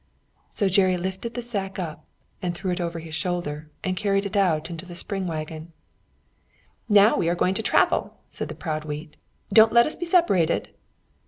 So Jerry lifted the sack up and threw it over his shoulder, and carried it out into the spring waggon. "Now we are going to travel," said the proud wheat "Don't let us be separated."